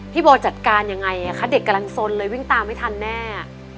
โบจัดการยังไงคะเด็กกำลังสนเลยวิ่งตามไม่ทันแน่